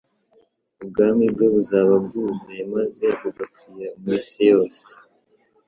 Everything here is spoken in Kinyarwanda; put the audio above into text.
ubwami bwe buzaba bwuzuye. maze bugakwira mu isi yose.